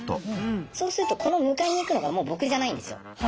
そうするとこの迎えに行くのがもう僕じゃないんですよ。